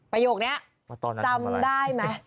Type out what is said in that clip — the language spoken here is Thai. ประโยคนี้จำได้ไหม